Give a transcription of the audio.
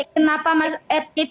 kenapa rt tidak ikut